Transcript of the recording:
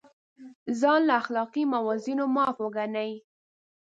ځان له اخلاقي موازینو معاف وګڼي.